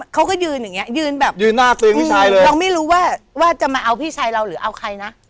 เขาก็ยืนอย่างเงี้ยืนแบบยืนหน้าตัวเองพี่ชายเลยเราไม่รู้ว่าว่าจะมาเอาพี่ชายเราหรือเอาใครนะ